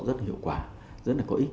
rất là hiệu quả